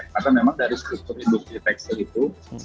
karena memang dari struktur industri tekstil itu